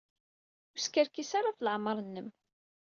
Ur skerkis ara ɣef leɛmeṛ-nnem.